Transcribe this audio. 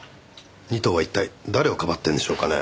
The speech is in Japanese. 仁藤は一体誰をかばってるんでしょうかね？